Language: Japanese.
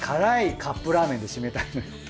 カップラーメンでしめたい。